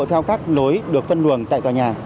theo các lối được phân luồng tại tòa nhà